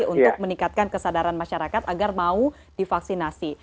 untuk meningkatkan kesadaran masyarakat agar mau divaksinasi